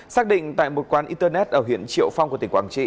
xác định tại một quán internet ở huyện triệu phong của tỉnh quảng trị